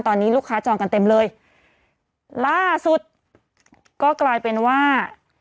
ตอนนี้ลูกค้าจองกันเต็มเลยล่าสุดก็กลายเป็นว่า